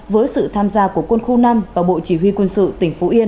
với sự tham gia của quân khu năm và bộ chỉ huy quân sự tỉnh phú yên